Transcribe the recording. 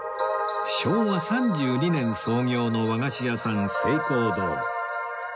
昭和３２年創業の和菓子屋さん盛光堂